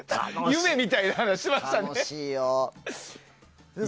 夢みたいな話してましたよね。